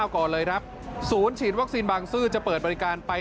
ก่อนเลยครับศูนย์ฉีดวัคซีนบางซื่อจะเปิดบริการไป